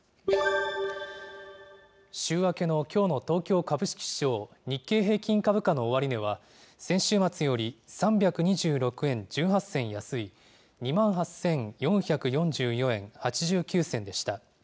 週明けのきょうの東京株式市場、日経平均株価の終値は、先週末より３２６円１８銭安い、２万８４４４円８９銭でした。